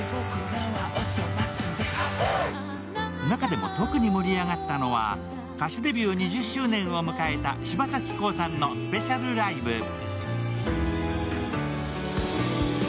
中でも特に盛り上がったのは歌手デビュー２０周年を迎えた柴咲コウさんのスペシャルライブ。